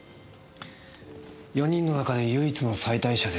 ４人の中で唯一の妻帯者ですよ。